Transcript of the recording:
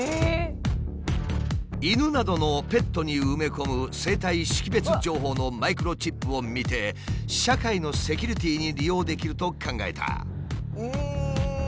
犬などのペットに埋め込む生体識別情報のマイクロチップを見て社会のセキュリティーに利用できると考えた。